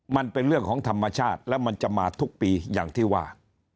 มันเป็นเรื่องของธรรมชาติแล้วมันจะมาทุกปีอย่างที่ว่า